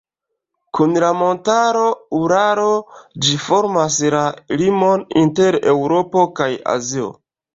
Kun la montaro Uralo ĝi formas la limon inter Eŭropo kaj Azio.